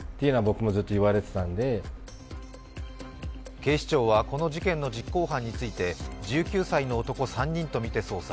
警視庁はこの事件の実行犯について１９歳の男３人とみて捜査。